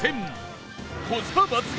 コスパ抜群！